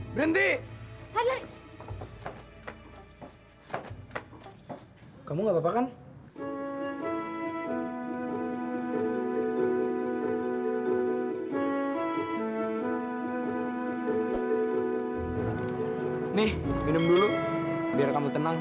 biar kamu tenang